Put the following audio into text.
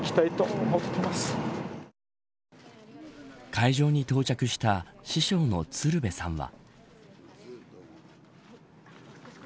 会場に到着した師匠の鶴瓶さんは。